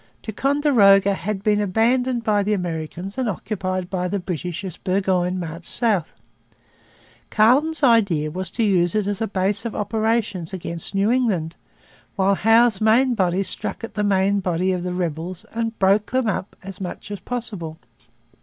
Ticonderoga had been abandoned by the Americans and occupied by the British as Burgoyne marched south. Carleton's idea was to use it as a base of operations against New England, while Howe's main body struck at the main body of the rebels and broke them up as much as possible.